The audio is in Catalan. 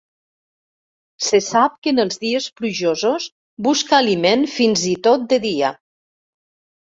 Se sap que en els dies plujosos busca aliment fins i tot de dia.